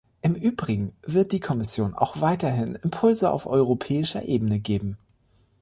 Im Übrigen wird die Kommission auch weiterhin Impulse auf europäischer Ebene geben.